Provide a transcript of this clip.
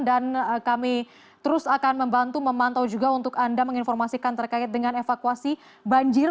dan kami terus akan membantu memantau juga untuk anda menginformasikan terkait dengan evakuasi banjir